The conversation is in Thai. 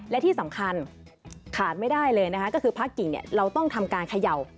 และที่สำคัญขาดไม่ได้เลยนะคะก็คือพระกิ่งเราต้องทำการเขย่า